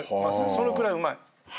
そのくらいうまい。